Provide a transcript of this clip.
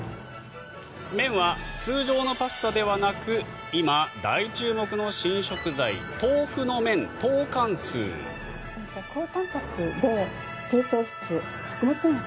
麺は通常のパスタではなく今大注目の新食材豆腐の麺、トーカンスー。